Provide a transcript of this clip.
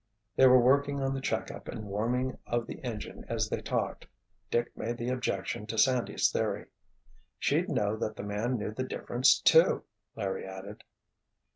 They were working on the check up and warming of the engine as they talked. Dick made the objection to Sandy's theory. "She'd know that the man knew the difference too!" Larry added.